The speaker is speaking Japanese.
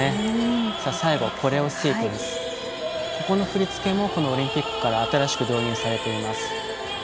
この振り付けもオリンピックから新しく導入されています。